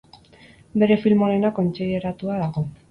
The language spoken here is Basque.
Bere film onena kontsideratua dago.